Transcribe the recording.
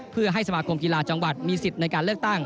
เพื่อให้สมาคมกีฬาจังหวัดมีสิทธิ์ในการเลือกตั้ง